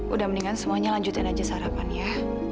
udah mendingan semuanya lanjutin aja sarapan ya